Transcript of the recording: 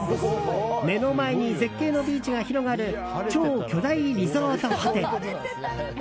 目の前に絶景のビーチが広がる超巨大リゾートホテル。